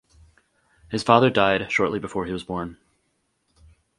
His father died shortly before he was born.